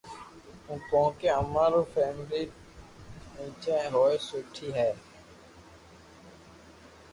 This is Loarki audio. ھون ڪونڪو اما رو فيملي نيني ھين سوٺي ھي